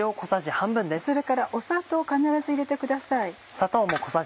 それから砂糖を必ず入れてください。